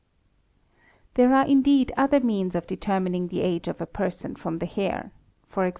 There are indeed other means of determining the age of a person from the hair, e.g.